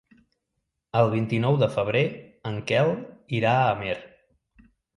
El vint-i-nou de febrer en Quel irà a Amer.